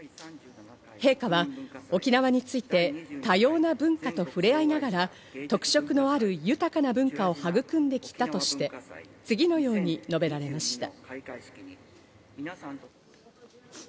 陛下は沖縄について、多様な文化と触れ合いながら特色のある豊かな文化を育んできたとして次のように述べられました。